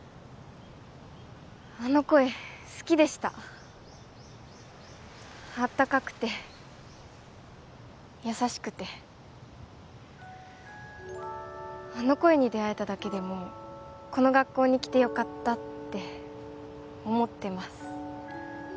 あの声好きでしたあったかくて優しくてあの声に出会えただけでもこの学校に来てよかったって思ってます